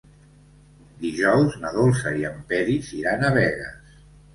Dijous na Dolça i en Peris iran a Begues.